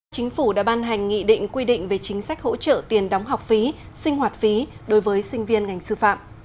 chính phủ đã ban hành nghị định quy định về chính sách hỗ trợ tiền đóng học phí sinh hoạt phí đối với sinh viên ngành sư phạm